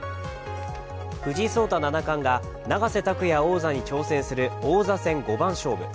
藤井聡太七冠が永瀬拓矢王座に挑戦する王座戦五番勝負。